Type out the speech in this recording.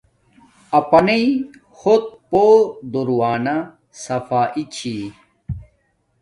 اپانݵیݵ ہوت پوہ دور وانا صفایݵ چھی